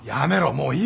もういい！